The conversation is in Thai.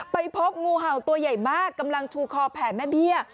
ไปพบงูเห่าตัวใหญ่มากกำลังชูคอแผ่แม่เบี้ย